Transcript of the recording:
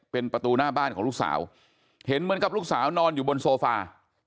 เป็นประตูหน้าบ้านของลูกสาวเห็นเหมือนกับลูกสาวนอนอยู่บนโซฟา